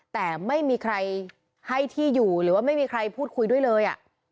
แต่ไม่มีใครให้ที่อยู่หรือว่าไม่มีใครพูดคุยด้วยเลย